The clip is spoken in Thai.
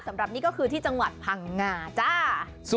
สำหรับนี่ก็คือที่จังหวัดพังงาจ้า